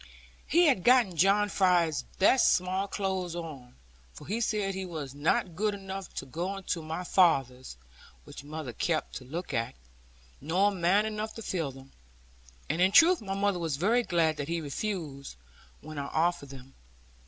He had gotten John Fry's best small clothes on, for he said he was not good enough to go into my father's (which mother kept to look at), nor man enough to fill them. And in truth my mother was very glad that he refused, when I offered them.